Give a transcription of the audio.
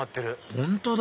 本当だ